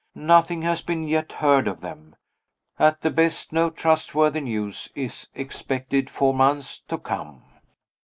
Nothing has been yet heard of them. At the best, no trustworthy news is expected for months to come.